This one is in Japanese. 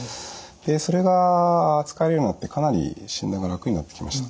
それが扱えるようになってかなり診断が楽になってきました。